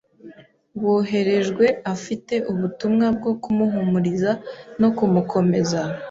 woherejwe afite ubutumwa bwo kumuhumuriza no kumukomeza